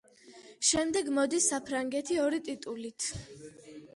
შემდეგ მოდის საფრანგეთი ორი ტიტულით.